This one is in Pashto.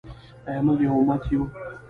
آیا موږ یو امت یو؟